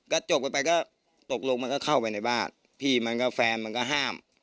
ก็จบกันไปก็ตกลงมันก็เข้าไปในบ้านพี่มันก็แฟนมันก็ห้าม